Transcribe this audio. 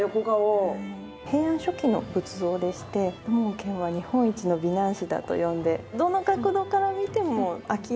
平安初期の仏像でして土門拳は日本一の美男子だと呼んでどの角度から見ても飽きない。